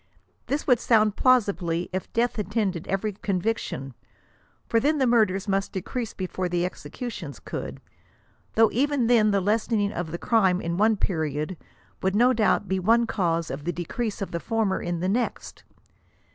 This would sound plausibly if death attended every conviction, for then the murders must decrease before the executions could ; though even then the lessening of the latter in one period, would no doubt be one cause of the decrease of the former in the next.